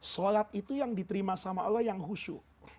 sholat itu yang diterima sama allah yang khusyuk